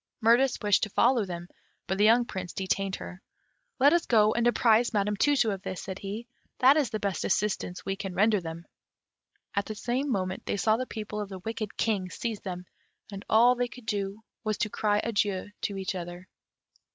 Mirtis wished to follow them, but the young Prince detained her. "Let us go and apprise Madame Tu tu of this," said he; "that is the best assistance we can render them." At the same moment they saw the people of the wicked King seize them, and all they could do was to cry adieu to each other.